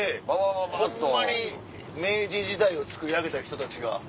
ホンマに明治時代をつくり上げた人たちが。